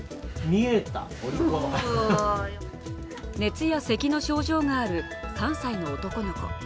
熱やせきの症状がある３歳の男の子。